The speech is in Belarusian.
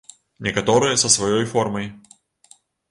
Некаторыя са сваёй формай.